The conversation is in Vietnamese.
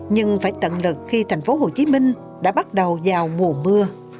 nhưng phải tận lực khi thành phố hồ chí minh đã bắt đầu vào mùa mưa